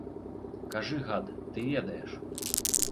Кажы, гад, ты ведаеш!